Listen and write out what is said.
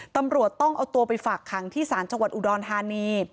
ตำรวจต้องเอาตัวไปฝากขังที่ศาลจังหวัดอุดรธานี